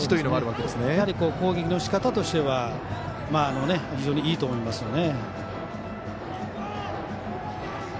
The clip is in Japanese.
やはり攻撃のしかたとしては非常にいいと思います。